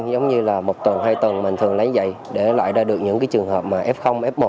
giống như là một tuần hai tuần mình thường lấy vậy để loại ra được những trường hợp f f một